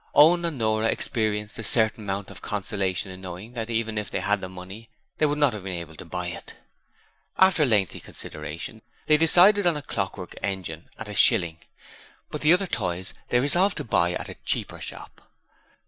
Owen and Nora experienced a certain amount of consolation in knowing that even if they had the money they would not have been able to buy it. After lengthy consideration, they decided on a clockwork engine at a shilling, but the other toys they resolved to buy at a cheaper shop.